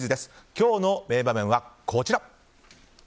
今日の名場面はこちら。